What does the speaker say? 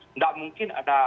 tidak mungkin ada